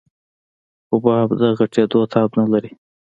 حباب د غټېدو تاب نه لري.